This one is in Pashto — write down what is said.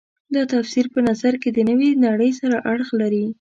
دا تفسیر په نظر کې د نوې نړۍ سره اړخ لري.